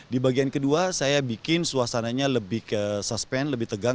di bagian kedua saya bikin suasananya lebih ke suspend lebih tegang